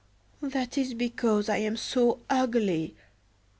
"That is because I am so ugly!"